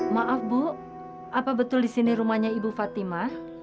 maaf bu apa betul di sini rumahnya ibu fatimah